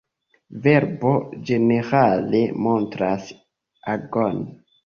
Verbo ĝenerale montras agon.